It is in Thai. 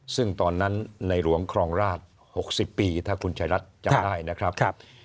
ซึ่งตอนนั้นในหลวงครองราช๖๐ปีถ้าคุณชายรัฐจำได้นะครับ